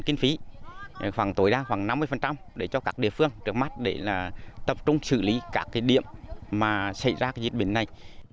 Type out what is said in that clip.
khoảng tối đa khoảng năm mươi để cho các địa phương trước mắt để tập trung xử lý các điểm xảy ra nhiễm bệnh này